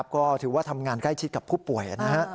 ก็ถือว่าทำงานใกล้ชิดกับผู้ป่วยนะฮะ